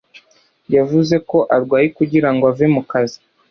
Yavuze ko arwaye kugira ngo ave mu kazi.